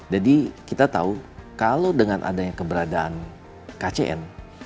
jadi kita tahu kalau dengan adanya keberadaan kcn